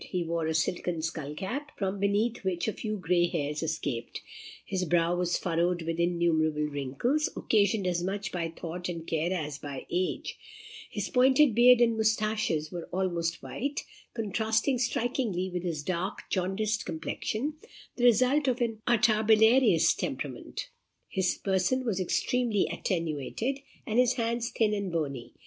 He wore a silken skull cap, from beneath which a few gray hairs escaped; his brow was furrowed with innumerable wrinkles, occasioned as much by thought and care as by age; his pointed beard and moustaches were almost white, contrasting strikingly with his dark, jaundiced complexion, the result of an atrabilarious temperament; his person was extremely attenuated, and his hands thin and bony.